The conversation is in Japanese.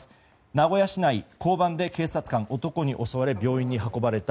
名古屋市内、交番で警察官男に襲われ病院に運ばれた。